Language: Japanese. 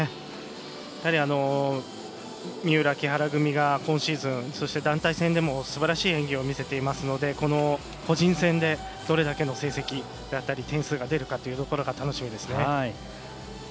やはり三浦、木原組が今シーズン、そして団体戦でもすばらしい演技を見せていますのでこの個人戦でどれだけの成績だったり点数が出るかっていうところが楽しみですね。